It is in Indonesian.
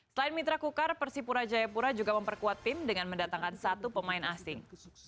selain mitra kukar persipura jayapura juga memperkuat tim dengan mendatangkan satu pemain asing